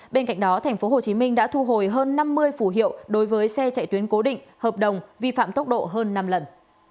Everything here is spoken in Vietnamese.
bên cạnh đó tp hcm đã thu hồi hơn năm mươi phủ hiệu đối với xe chạy tuyến cố định hợp đồng vi phạm tốc độ hơn năm lần